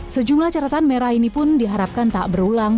sejumlah catatan merah ini pun diharapkan tak berulang